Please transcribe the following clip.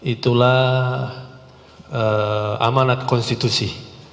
itulah amanat konstitusi